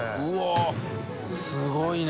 舛すごいね。